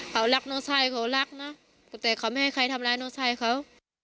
เขารักน้องชายเขารักนะแต่เขาไม่ให้ใครทำร้ายน้องชายเขา